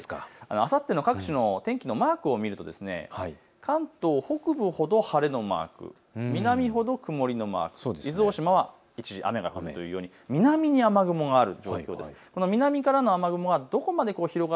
あさっての各地の天気のマークを見ると関東北部ほど晴れのマーク、南ほど曇りのマーク、伊豆大島は一時雨、南に雨雲がある状況です。